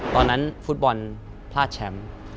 ตอนนั้นฟุตบอลพลาดแชมป์